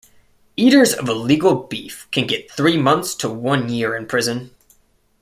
Eaters of illegal beef can get three months to one year in prison.